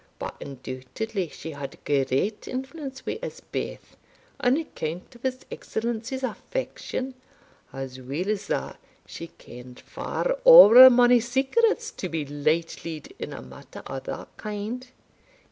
But, undoubtedly, she had great influence wi' us baith on account of his Excellency's affection, as weel as that she ken'd far ower mony secrets to be lightlied in a matter o' that kind.